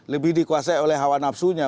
lebih dikuasai oleh hawa nafsunya